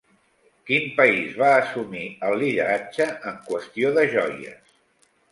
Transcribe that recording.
Quin país va assumir el lideratge en qüestió de joies?